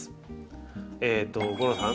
吾郎さん